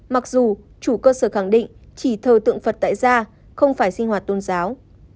mặc dù chủ cơ sở khẳng định chỉ thờ tượng phật tại gia không phải sinh hoạt tôn giáo